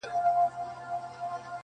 څه پروین د نیمي شپې څه سپین سبا دی,